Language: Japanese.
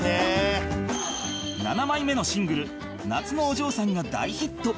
７枚目のシングル『夏のお嬢さん』が大ヒット